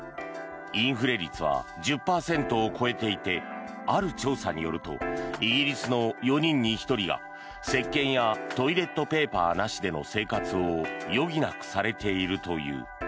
インフレ率は１０％を超えていてある調査によるとイギリスの４人に１人がせっけんやトイレットペーパーなしでの生活を余儀なくされているという。